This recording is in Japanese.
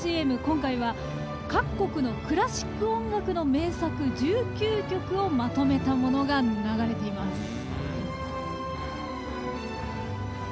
今回は各国のクラシック音楽の名作、１９曲をまとめたものが流れています。